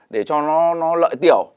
để cho nó lợi tiểu